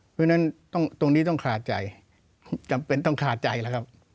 เพราะฉะนั้นตรงนี้ต้องคาใจจำเป็นต้องคาใจแล้วครับ